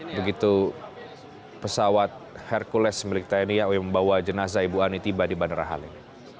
begitu pesawat hercules milik tni au membawa jenazah ibu ani tiba di bandara halim